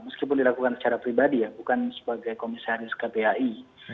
meskipun dilakukan secara pribadi ya bukan sebagai komisaris kpai